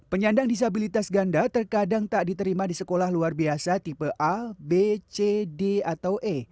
penyandang disabilitas ganda terkadang tak diterima di sekolah luar biasa tipe a b c d atau e